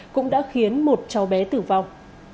cũng đã khiến một cháu bé tử vong